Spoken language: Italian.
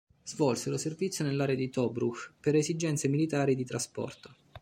Svolsero servizio nell'area di Tobruch per esigenze militari di trasporto.